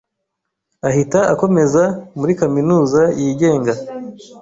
ahita akomeza muri Kaminuza yigenga